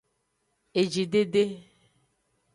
Ejidede.